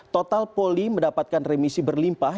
total poli mendapatkan remisi berlimpah